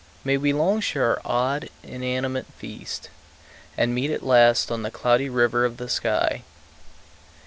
May we long share our odd, inanimate feast, And meet at last on the Cloudy River of the sky.